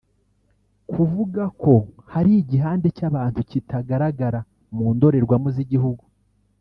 Kuvuga ko hari igihande cy’abantu kitagaragara mu ndorerwamo z’ igihugu